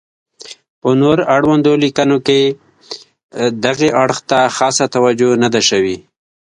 په نور اړوندو لیکنو کې دغې اړخ ته خاصه توجه نه ده شوې.